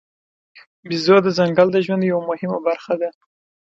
بیزو د ځنګل د ژوند یوه مهمه برخه ده.